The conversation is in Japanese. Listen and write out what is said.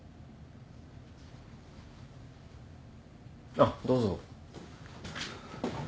あっどうぞ。